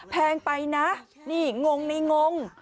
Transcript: แพงไปนะงงนี่งง